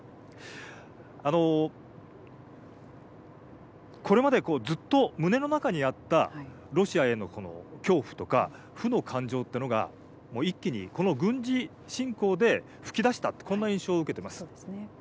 あのこれまでずっと胸の中にあったロシアへの恐怖とか負の感情っていうのがもう一気にこの軍事侵攻で吹き出したってこんな印象を受けてます。